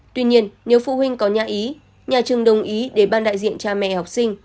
tuy nhiên nếu phụ huynh có nhà ý nhà trường đồng ý để ban đại diện cha mẹ học sinh